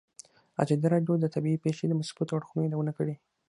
ازادي راډیو د طبیعي پېښې د مثبتو اړخونو یادونه کړې.